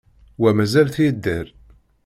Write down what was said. Wa mazal-t yedder.